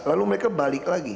lalu mereka balik lagi